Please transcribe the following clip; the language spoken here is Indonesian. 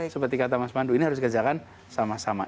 seperti kata mas pandu ini harus dikerjakan sama sama